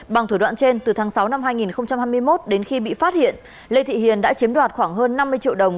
bằng thủ đoạn trên từ tháng sáu năm hai nghìn hai mươi một đến khi bị phát hiện lê thị hiền đã chiếm đoạt khoảng hơn năm mươi triệu đồng